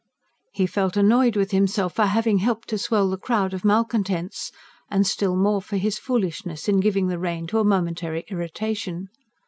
He felt annoyed with himself for having helped to swell the crowd of malcontents; and still more for his foolishness in giving the rein to a momentary irritation.